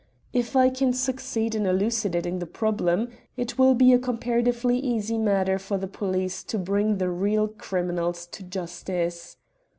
If I can succeed in elucidating the problem it will be a comparatively easy matter for the police to bring the real criminals to justice.